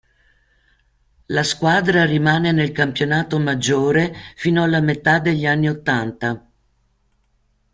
La squadra rimane nel campionato maggiore fino alla metà degli anni ottanta.